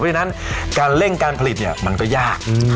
เพราะฉะนั้นการเร่งการผลิตเนี่ยมันก็ยาก